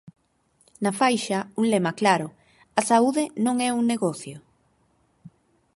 Na faixa, un lema claro: "A saúde non é un negocio".